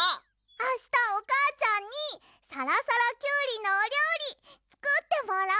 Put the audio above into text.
あしたおかあちゃんにさらさらキュウリのおりょうりつくってもらおう！